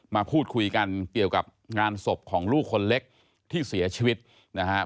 มาพูดคุยกันเกี่ยวกับงานศพของลูกคนเล็กที่เสียชีวิตนะครับ